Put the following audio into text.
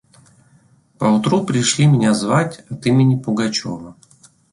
Поутру пришли меня звать от имени Пугачева.